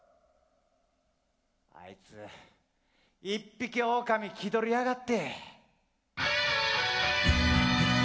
あいつ一匹オオカミ気取りやがって。